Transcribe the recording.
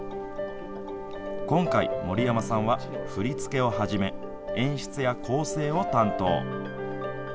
今回、森山さんは振付をはじめ、演出や構成を担当。